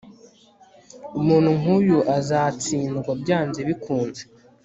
Umuntu nkuyu azatsindwa byanze bikunze